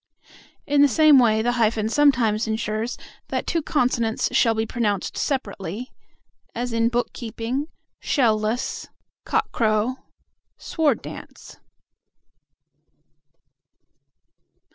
In the same way the hyphen sometimes ensures that two consonants shall be pronounced separately; as in "book keeping," "shell less," "cock crow," "sword dance."